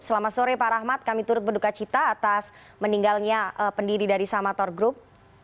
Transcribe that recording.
selamat sore pak rahmat kami turut berduka cita atas meninggalnya pendiri dari samator group